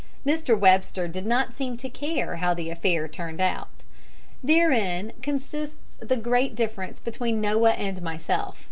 Mr. Webster did not seem to care how the affair turned out. Therein consists the great difference between Noah and myself.